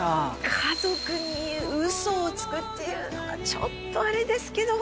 家族に嘘をつくっていうのはちょっとあれですけども。